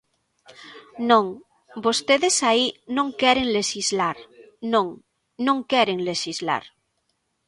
Non, vostedes aí non queren lexislar; non, non queren lexislar.